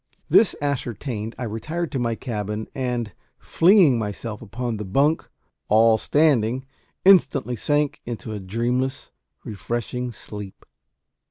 This ascertained, I retired to my cabin, and, flinging myself upon the bunk, "all standing," instantly sank into a dreamless, refreshing sleep.